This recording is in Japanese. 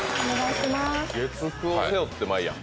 月９を背負ってまいやん。